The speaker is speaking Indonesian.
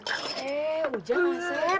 eh ujang asep